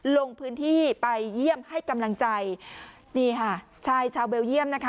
ลงพื้นที่ไปเยี่ยมให้กำลังใจนี่ค่ะชายชาวเบลเยี่ยมนะคะ